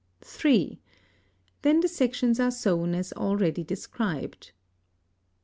(3) Then the sections are sewn as already described.